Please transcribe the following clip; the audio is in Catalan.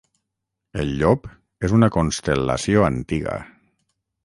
El Llop és una constel·lació antiga.